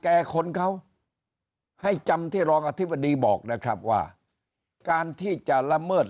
แก่คนเขาให้จำที่รองอธิบดีบอกนะครับว่าการที่จะละเมิด